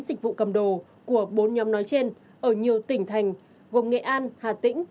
dịch vụ cầm đồ của bốn nhóm nói trên ở nhiều tỉnh thành gồm nghệ an hà tĩnh